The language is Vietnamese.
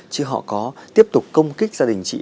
chứ họ có tiếp tục công kích gia đình chị